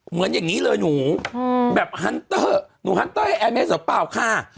เหมือนอย่างนี้เลยหนูแบบฮันเตอร์หนูฮันเตอร์ไอแอร์เมสหรือเปล่าค่ะ